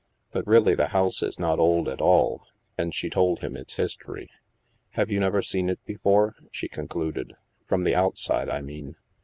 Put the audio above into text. But really the house is not old at all," and she told him its history. " Have you never seen it before ?" she concluded. " From the outside, I mean